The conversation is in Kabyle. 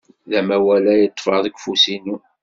D amawal ay ḍḍfeɣ deg ufus-inu.